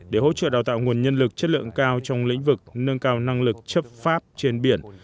để hỗ trợ đào tạo nguồn nhân lực chất lượng cao trong lĩnh vực nâng cao năng lực chấp pháp trên biển